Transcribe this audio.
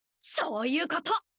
そういうこと。